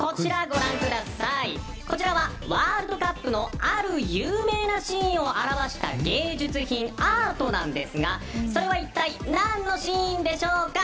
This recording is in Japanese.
こちらはワールドカップのある有名なシーンを表した芸術品アートなんですがそれは一体何のシーンでしょうか。